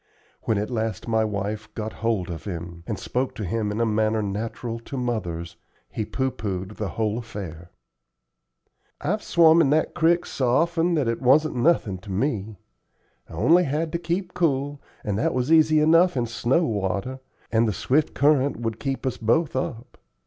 When at last my wife got hold of him, and spoke to him in a manner natural to mothers, he pooh poohed the whole affair. "I've swum in that crick so often that it was nothin' to me. I only had to keep cool, and that was easy enough in snow water, and the swift current would keep us both up.